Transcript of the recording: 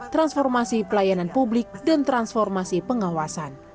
transformasi pelayanan publik dan transformasi pengawasan